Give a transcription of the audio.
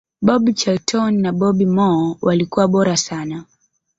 bobby charlton na bobby moore walikuwa bora sana